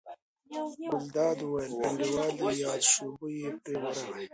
ګلداد وویل: انډیوال یې یاد شو، بوی یې پرې ورغی.